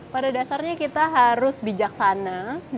pada dasarnya kita harus bijaksana dalam memilah miskin